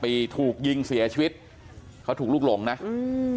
ปีถูกยิงเสียชีวิตเขาถูกลุกหลงนะอืม